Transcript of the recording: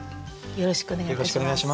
よろしくお願いします。